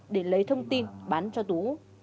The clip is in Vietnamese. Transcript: để lấy thông tin bán cho tú